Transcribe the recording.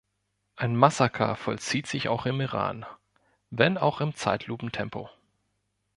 Ein Massaker vollzieht sich auch im Iran, wenn auch im Zeitlupentempo.